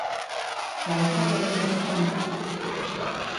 L'altre què li respon?